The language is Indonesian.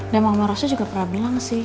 dan mama rosnya juga pernah bilang sih